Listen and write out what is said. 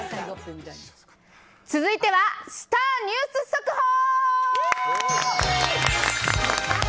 続いてはスター☆ニュース速報！